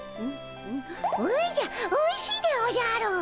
おじゃおいしいでおじゃる！